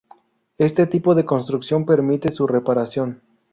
Este tipo de construcción permite su reparación.